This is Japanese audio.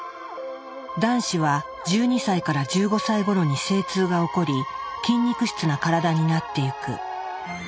男子は１２歳１５歳ごろに精通が起こり筋肉質な体になっていく。